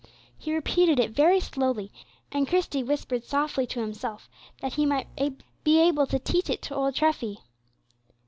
He repeated it very slowly, and Christie whispered softly to himself, that he might be able to teach it to old Treffy.